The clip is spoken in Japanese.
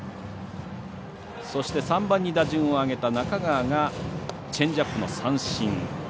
そして３番に打順を上げた中川がチェンジアップの三振。